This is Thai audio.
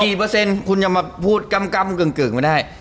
เปอร์เซ็นต์คุณยังมาพูดกำกึ่งไม่ได้